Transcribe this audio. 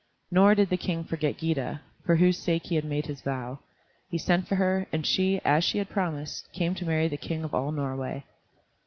Nor did the King forget Gyda, for whose sake he had made his vow. He sent for her, and she, as she had promised, came to marry the King of all Norway.